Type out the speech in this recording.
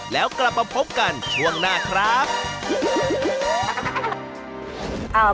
แล้วกลับมาพบกันช่วงหน้าครับ